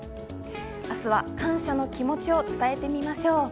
明日は感謝の気持ちを伝えてみましょう。